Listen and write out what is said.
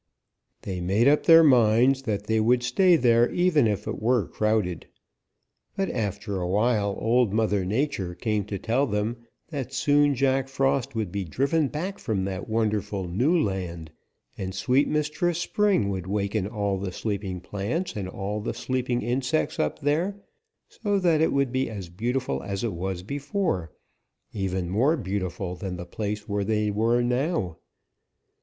They made up their minds that they would stay there even if it were crowded. But after a while Old Mother Nature came to tell them that soon Jack Frost would be driven back from that wonderful new land, and sweet Mistress Spring would waken all the sleeping plants and all the sleeping insects up there so that it would be as beautiful as it was before, even more beautiful than the place where they were now.